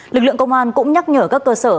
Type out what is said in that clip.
lực lượng công an cũng nhắc nhở các cơ sở